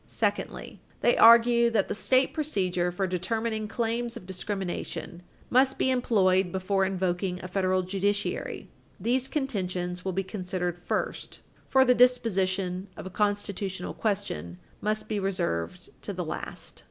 Secondly, they argue that the state procedure for determining claims of discrimination must be employed before invoking the federal judiciary. These contentions will be considered first, for the disposition of a constitutional question must be reserved to the last.